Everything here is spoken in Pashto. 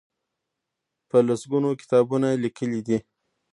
په لس ګونو کتابونه لیکلي دي.